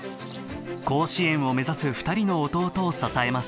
甲子園を目指す二人の弟を支えます